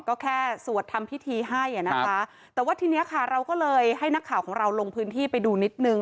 ก็แค่สวดทำพิธีให้อ่ะนะคะแต่ว่าทีเนี้ยค่ะเราก็เลยให้นักข่าวของเราลงพื้นที่ไปดูนิดนึง